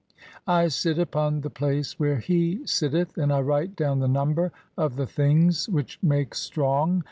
I sit upon the "place where he sitteth, and I write down the number [of the "things] which make strong